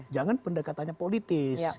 jangan pendekatannya politis